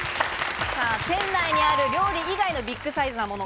店内にある料理以外のビッグサイズなもの。